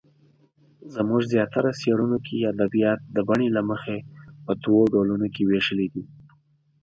زموږ زیاتره څېړنو کې ادبیات د بڼې له مخې په دوو ډولونو وېشلې دي.